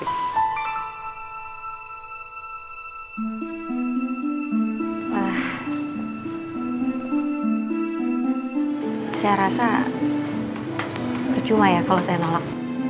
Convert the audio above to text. saya rasa percuma ya kalau saya nolak